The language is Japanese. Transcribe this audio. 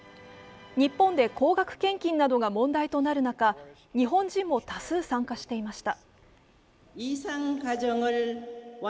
日本で高額献金などが問題となる中、日本人も多数参加していました。